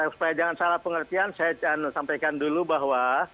supaya jangan salah pengertian saya sampaikan dulu bahwa